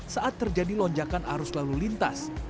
saat terjadi lonjakan arus lalu lintas